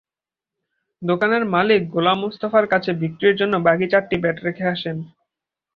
দোকানের মালিক গোলাম মোস্তফার কাছে বিক্রির জন্য বাকি চারটি ব্যাট রেখে আসেন।